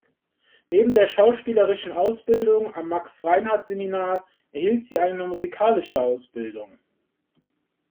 Neben der schauspielerischen Ausbildung am Max-Reinhardt-Seminar erhielt sie eine musikalische Ausbildung.